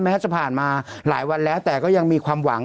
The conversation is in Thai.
แทบจะผ่านมาหลายวันแล้วแต่ก็ยังมีความหวัง